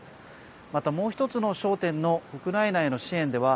また、もう一つの焦点のウクライナへの支援では